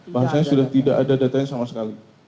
bahasanya sudah tidak ada datanya sama sekali